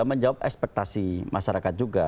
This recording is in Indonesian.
menjawab ekspektasi masyarakat juga